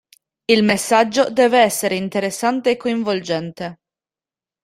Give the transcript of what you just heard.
Il messaggio deve essere interessante e coinvolgente.